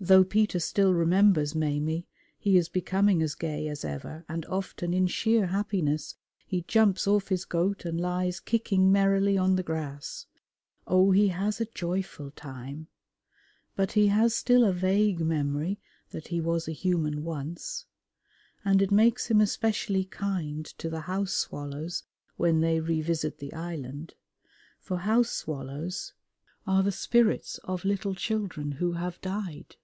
Though Peter still remembers Maimie he is become as gay as ever, and often in sheer happiness he jumps off his goat and lies kicking merrily on the grass. Oh, he has a joyful time! But he has still a vague memory that he was a human once, and it makes him especially kind to the house swallows when they revisit the island, for house swallows are the spirits of little children who have died.